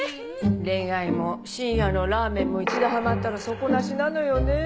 恋愛も深夜のラーメンも一度ハマったら底なしなのよね。